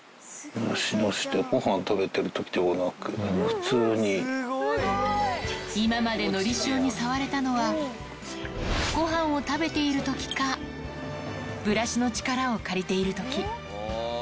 ごはん食べてるときでもなく、今まで、のりしおに触れたのは、ごはんを食べているときか、ブラシの力を借りているとき。